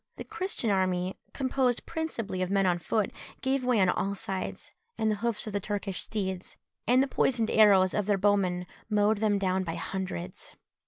The Christian army, composed principally of men on foot, gave way on all sides, and the hoofs of the Turkish steeds, and the poisoned arrows of their bowmen, mowed them down by hundreds.